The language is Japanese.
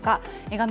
画面